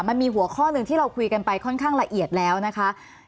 มันมีหัวข้อหนึ่งที่เราคุยกันไปค่อนข้างละเอียดแล้วนะคะ